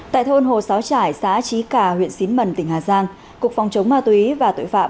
tại thôn hồ xáo trải xã trí cà huyện xín mần tỉnh hà giang cục phòng chống ma túy và tội phạm